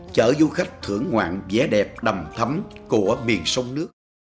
chở du khách thưởng ngoạn vẻ đẹp đầm thấm của miền sông nước